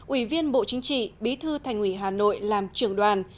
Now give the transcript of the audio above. ủy viên bộ chính trị bí thư thành ủy hà nội làm trưởng đoàn